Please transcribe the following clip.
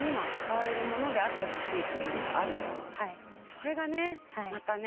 それがねまたね